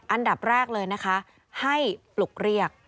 อันดับแรกเลยนะคะให้ปลุกเรียก